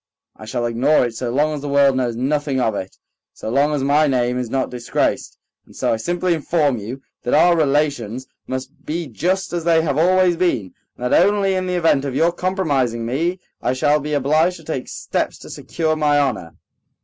"I shall ignore it so long as the world knows nothing of it, so long as my name is not disgraced. And so I simply inform you that our relations must be just as they have always been, and that only in the event of your compromising me I shall be obliged to take steps to secure my honor."